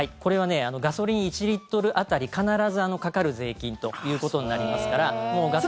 ガソリン１リットル当たり必ずかかる税金ということになりますから。